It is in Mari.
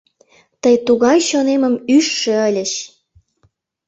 Тый тугай чонемым ӱжшӧ ыльыч!